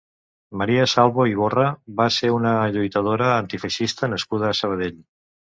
Maria Salvo Iborra va ser una lluitadora antifeixista nascuda a Sabadell.